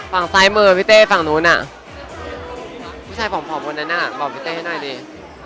ฝั่งซ้ายมือพี่เต้ฝั่งนู้นผู้ชายผอมคนนั้นน่ะบอกพี่เต้ให้หน่อยดิ